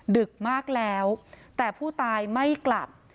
ดึกมากแล้วแต่ผู้ตายไม่กลับ